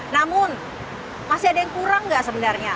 namun masih ada yang kurang nggak sebenarnya